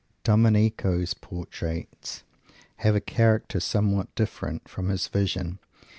Domenico's portraits have a character somewhat different from his visions.